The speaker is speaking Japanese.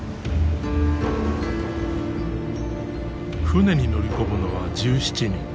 船に乗り込むのは１７人。